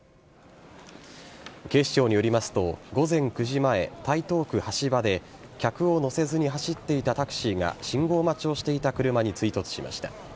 警視庁によりますと午前９時前台東区橋場で客を乗せずに走っていたタクシーが信号待ちをしていた車に追突しました。